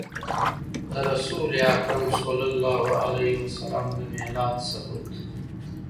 د رسول اکرم صلی الله عليه وسلم د ميلاد ثبوت